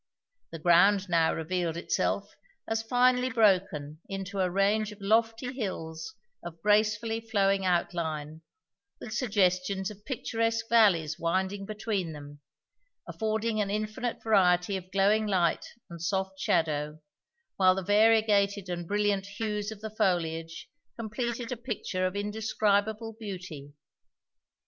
The ground now revealed itself as finely broken into a range of lofty hills of gracefully flowing outline, with suggestions of picturesque valleys winding between them, affording an infinite variety of glowing light and soft shadow, while the variegated and brilliant hues of the foliage completed a picture of indescribable beauty.